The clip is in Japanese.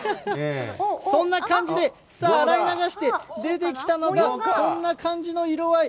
そんな感じで、さあ、洗い流して出てきたのがこんな感じの色合い。